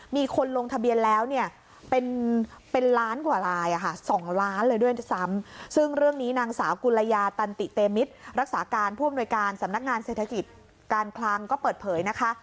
มีคนลงทะเบียนแล้วเนี่ยเป็นเป็นล้านกว่าราย๒ล้านเลยด้วยซ้ำซึ่งเรื่องนี้นางสาวกุลยาตันติเตมิตรรักษาการผู้อำนวยการสำนักงานเศรษฐกิจการคลังก็เปิดเผยนะคะ